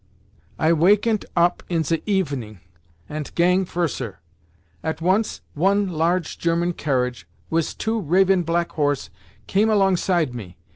"I wakenet op in ze evening, ant gang furser. At once one large German carriage, wis two raven black horse, came alongside me.